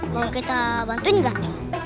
mau kita bantuin gak